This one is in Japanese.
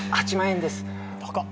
８万円です。